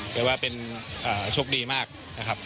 แต่ว่าเป็นโชคดีมากนะครับ